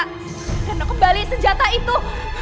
hena kembali senjata itu